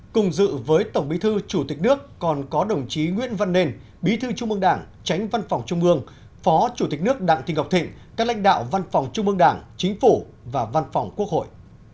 cùng dự với tổng bí thư chủ tịch nước còn có đồng chí nguyễn văn nền bí thư trung mương đảng tránh văn phòng trung ương phó chủ tịch nước đặng thị ngọc thịnh các lãnh đạo văn phòng trung mương đảng chính phủ và văn phòng quốc hội